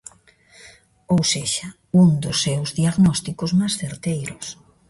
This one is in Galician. Ou sexa, un dos seus diagnósticos máis certeiros.